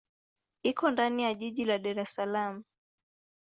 Iko ndani ya jiji la Dar es Salaam.